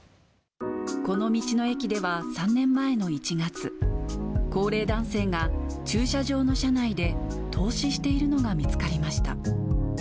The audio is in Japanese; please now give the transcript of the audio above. この道の駅では３年前の１月、高齢男性が駐車場の車内で凍死しているのが見つかりました。